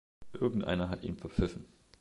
Irgendeiner hat ihn verpfiffen.